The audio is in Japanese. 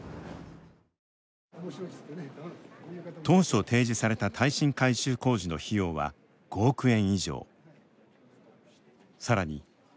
当初、提示された耐震改修工事の費用は５億円以上。